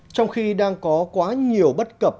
trong khi đang có quá nhiều bất cập